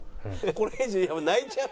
これ以上泣いちゃう。